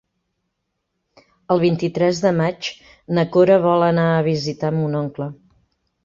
El vint-i-tres de maig na Cora vol anar a visitar mon oncle.